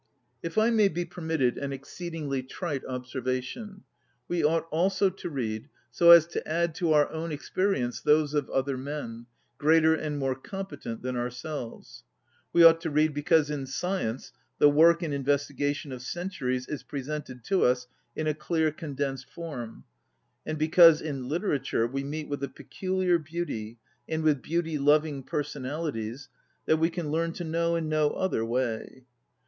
If I may be permitted an exceed ingly trite observation, we ought also to read so as to add to our own ex perience those of other men, greater and more competent than ourselves. We ought to read because in science the work and investigation of cen turies is presented to us in a clear, condensed form, and because in lit erature we meet with a peculiar beauty and with beauty loving per sonalities that we can learn to know in no other way.